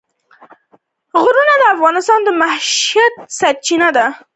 اوږده غرونه د افغانانو د معیشت سرچینه ده.